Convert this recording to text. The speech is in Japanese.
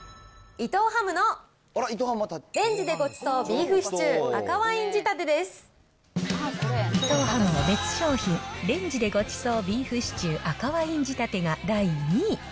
伊藤ハムのレンジでごちそうビーフシチュー赤ワイン仕立てで伊藤ハムの別商品、レンジでごちそうビーフシチュー赤ワイン仕立てが第２位。